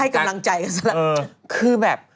คือแบบ